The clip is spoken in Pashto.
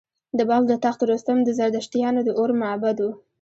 د بلخ د تخت رستم د زردشتیانو د اور معبد و